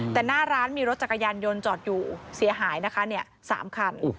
แต่หน้าร้านมีรถจักรยานยนต์จอดอยู่เสียหายนะคะ๓คัน